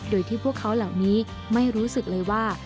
โดยที่พวกเขาเหล่านี้ไม่รู้สึกเลยว่า